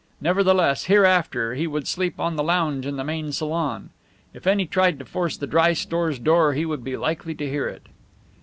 Nevertheless, hereafter he would sleep on the lounge in the main salon. If any tried to force the dry stores door he would be likely to hear it.